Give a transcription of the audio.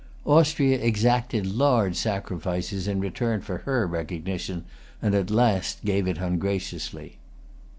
Austria exacted large sacrifices in return for her recognition, and at last gave it ungraciously.